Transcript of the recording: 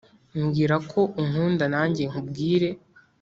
Mbwira ko unkunda nanjye nkubwire